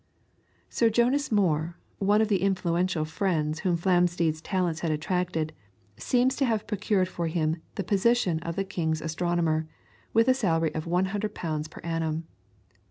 Sir Jonas Moore, one of the influential friends whom Flamsteed's talents had attracted, seems to have procured for him the position of king's astronomer, with a salary of 100 pounds per annum.